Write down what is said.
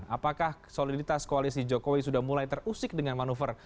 apakah soliditas koalisi jokowi sudah mulai terusik dengan manuver